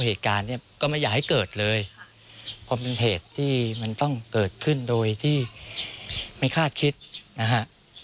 เหตุการณ์เนี่ยก็ไม่อยากให้เกิดเลยเพราะมันเหตุที่มันต้องเกิดขึ้นโดยที่ไม่คาดคิดนะฮะ